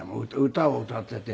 歌を歌っていて。